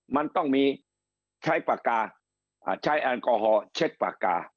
มันต้องมีใช้ปากกาใช้แอลกอฮอล์เช็ดปากกา